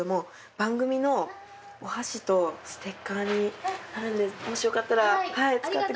番組のお箸とステッカーになるんでもしよかったら使ってください。